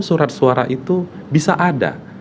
surat suara itu bisa ada